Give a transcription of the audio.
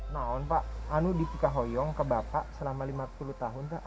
nah pak apa yang dipercaya kepada bapak selama lima puluh tahun